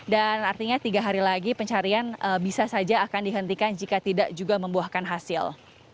dan artinya tiga hari lagi pencarian bisa saja akan dihentikan jika tidak juga membuahkan hasil